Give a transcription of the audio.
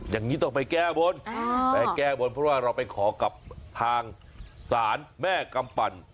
อย่างนี้ต้องไปแก้บนไปแก้บนเพราะว่าเราไปขอกับทางศาลแม่กำปั่น